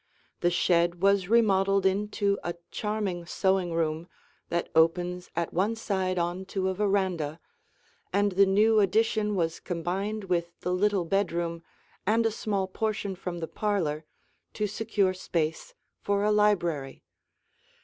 The shed was remodeled into a charming sewing room that opens at one side on to a veranda, and the new addition was combined with the little bedroom and a small portion from the parlor to secure space for a library.